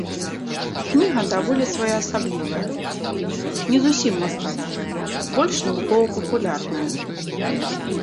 Кніга даволі своеасаблівая, не зусім мастацкая, больш навукова-папулярная.